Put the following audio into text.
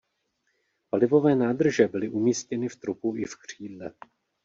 Palivové nádrže byly umístěny v trupu i v křídle.